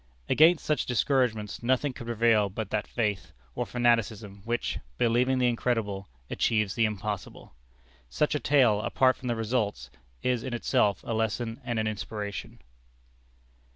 Against such discouragements nothing could prevail but that faith, or fanaticism, which, believing the incredible, achieves the impossible. Such a tale, apart from the results, is in itself a lesson and an inspiration.